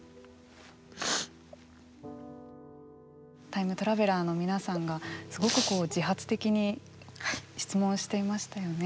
タイムトラベラーの皆さんがすごくこう自発的に質問していましたよね。